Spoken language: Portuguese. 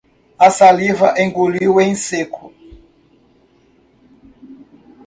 A saliva engoliu em seco.